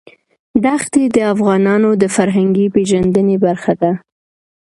دښتې د افغانانو د فرهنګي پیژندنې برخه ده.